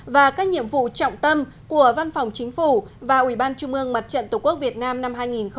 và các nhiệm vụ trọng tâm của văn phòng chính phủ và ủy ban trung ương mặt trận tổ quốc việt nam năm hai nghìn một mươi chín